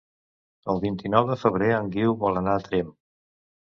El vint-i-nou de febrer en Guiu vol anar a Tremp.